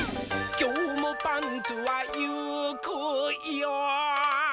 「きょうもパンツはゆくよ」